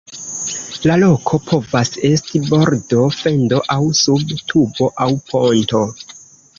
La loko povas esti bordo, fendo aŭ sub tubo aŭ ponto.